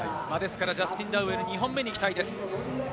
ジャスティン・ダウエル２本目に期待です。